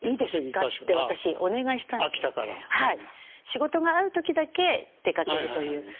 仕事がある時だけ出かけるという。